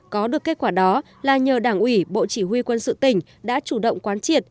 có được kết quả đó là nhờ đảng ủy bộ chỉ huy quân sự tỉnh đã chủ động quán triệt